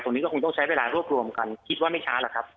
ตรงนี้ก็คงต้องใช้เวลารวบรวมกันคิดว่าไม่ช้าหรอกครับ